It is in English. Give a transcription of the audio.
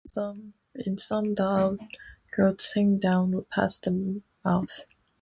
In some, the outgrowths hang down past the mouth.